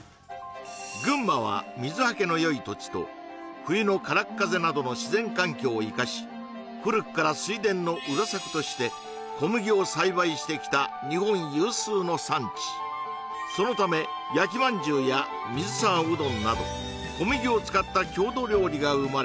群馬は水はけのよい土地と冬のからっ風などの自然環境を生かし古くから水田の裏作として小麦を栽培してきた日本有数の産地そのため焼きまんじゅうや水沢うどんなど小麦を使った郷土料理が生まれ